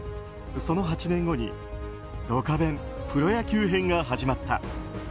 その８年後に「ドカベンプロ野球編」が始まった。